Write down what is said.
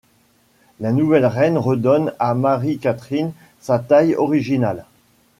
La nouvelle reine redonne à Mary Katherine sa taille originale.